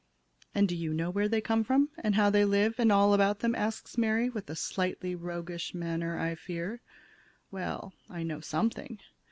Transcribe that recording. "And do you know where they come from, and how they live, and all about them," asks Mary, with a slightly roguish manner, I fear. "Well, I know something.